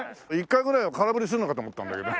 １回ぐらいは空振りするのかと思ったんだけど。